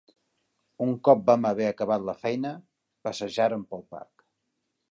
Un cop vam haver acabat la feina, passejàrem pel parc.